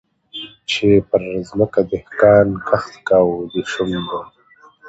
چي پر مځکه دهقان کښت کاوه د سونډو